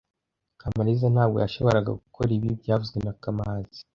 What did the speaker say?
Kamaliza ntabwo yashoboraga gukora ibi byavuzwe na kamanzi